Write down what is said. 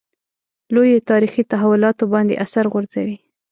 لویو تاریخي تحولاتو باندې اثر غورځوي.